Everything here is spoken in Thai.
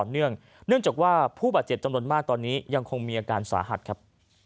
เนื่องจากว่าผู้บาดเจ็บจำนวนมากตอนนี้ยังคงมีอาการสาหัสครับ